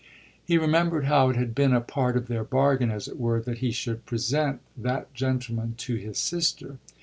He remembered how it had been a part of their bargain, as it were, that he should present that gentleman to his sister.